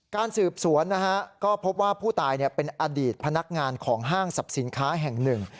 การสืบสวนนะฮะก็พบว่าผู้ตายเป็นอดีตพนักงานของห้างสรรพสินค้าแห่งหนึ่ง